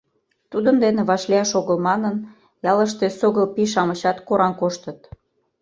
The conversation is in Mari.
Тудын дене вашлияш огыл манын, ялыште эсогыл пий-шамычат кораҥ коштыт.